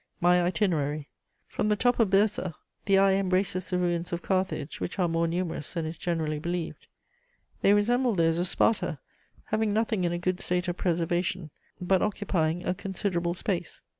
MY ITINERARY. "From the top of Byrsa, the eye embraces the ruins of Carthage, which are more numerous than is generally believed: they resemble those of Sparta, having nothing in a good state of preservation, but occupying a considerable space.